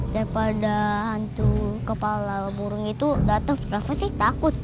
daripada hantu kepala burung itu datang kenapa sih takut